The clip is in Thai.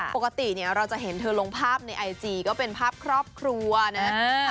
ปกติเนี่ยเราจะเห็นเธอลงภาพในไอจีก็เป็นภาพครอบครัวนะ